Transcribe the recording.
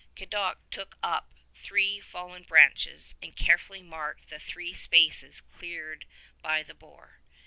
Cadoc took up three fallen branches and carefully marked the three spaces cleared by the boar.